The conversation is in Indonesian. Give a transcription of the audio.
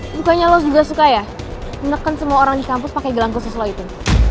sukanya lo juga suka ya menekan semua orang di kampus pakai gelang khusus lo itu